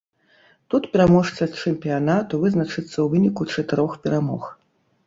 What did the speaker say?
Тут пераможца чэмпіянату вызначыцца ў выніку чатырох перамог.